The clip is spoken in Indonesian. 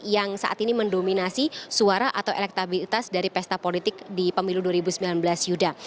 yang saat ini mendominasi suara atau elektabilitas dari pesta politik di pemilu dua ribu sembilan belas yuda